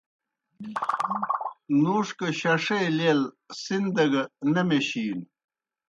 نُوݜ گہ شݜے لیل سن دہ گہ نہ میشِینوْ